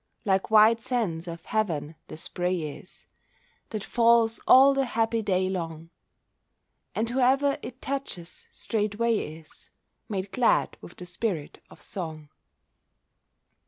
Like white sands of heaven the spray is That falls all the happy day long, And whoever it touches straightway is Made glad with the spirit of song.